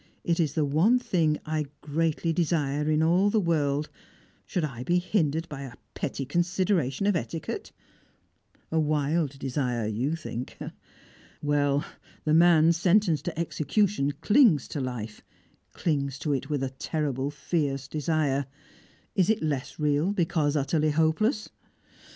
It is the one thing I greatly desire in all the world, shall I be hindered by a petty consideration of etiquette? A wild desire you think. Well, the man sentenced to execution clings to life, clings to it with a terrible fierce desire; is it less real because utterly hopeless?